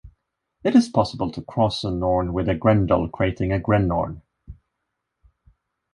It is possible to cross a Norn with a Grendel, creating a 'Grenorn'.